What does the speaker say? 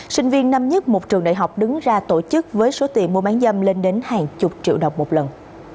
sinh viên năm nhất một trường đại học đứng ra tổ chức với số tiền mua bán dâm lên đến hàng chục triệu đồng một lần